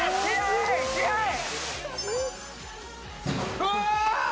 うわ！